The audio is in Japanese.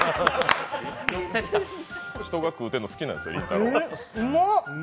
人が食うてんの好きなんですよ、りんたろー。